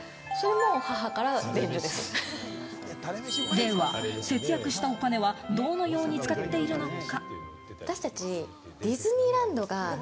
では、節約したお金はどのように使っているのか？